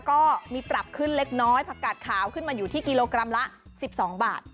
ก็มีปรับขึ้นเล็กน้อยผักกาดขาวขึ้นมาอยู่ที่กิโลกรัมละ๑๒บาท